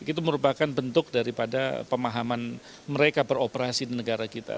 itu merupakan bentuk daripada pemahaman mereka beroperasi di negara kita